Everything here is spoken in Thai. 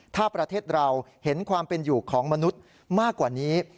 ถ้าประเทศเราเห็นความเป็นอยู่ของมนุษย์มากกว่านี้